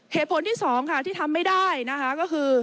เหตุผลที่สองค่ะที่ทำไม่ได้นะคะก็คือ